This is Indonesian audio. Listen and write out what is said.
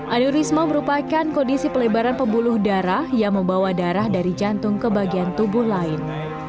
aneurisma merupakan kondisi pelebaran pembuluh darah yang membawa darah dari jantung ke bagian tubuh lain